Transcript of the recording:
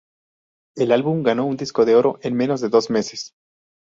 El álbum ganó un disco de oro en menos de dos meses.